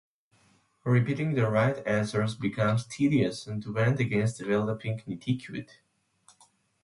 Repeating the "right" answers becomes tedious, and went against developing netiquette.